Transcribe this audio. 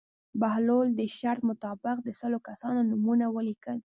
بهلول د شرط مطابق د سلو کسانو نومونه ولیکل.